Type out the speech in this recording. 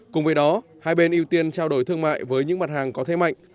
cùng với đó hai bên ưu tiên trao đổi thương mại với những mặt hàng có thế mạnh